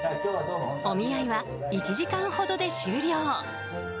お見合いは１時間ほどで終了。